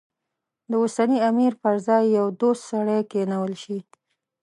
د اوسني امیر پر ځای یو دوست سړی کېنول شي.